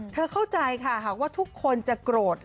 เธอเข้าใจค่ะว่าทุกคนจะโกรธ